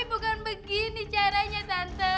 anissa gak mau tante jangan tante